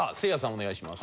お願いします。